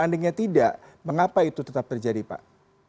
seandainya tidak mengapa itu tetap terjadi pak